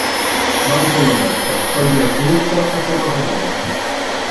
Vai in fondo a destra, poi gira a sinistra e sei quasi arrivato.